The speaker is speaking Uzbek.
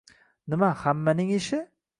Nima hammaning ishi?